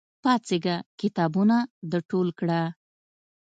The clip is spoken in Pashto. پاڅېږه! کتابونه د ټول کړه!